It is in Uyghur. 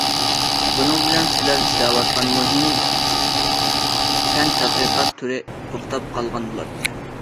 بۇنىڭ بىلەن سىلەر ئىشلەۋاتقان مۇھىم پەن تەتقىقات تۈرى توختاپ قالغان بولاتتى.